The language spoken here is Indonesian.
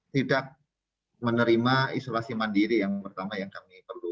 tidak menerima isolasi mandiri yang pertama yang kami perlu